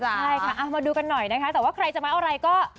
ใช่ค่ะเอามาดูกันหน่อยนะคะแต่ว่าใครจะมาเอาอะไรก็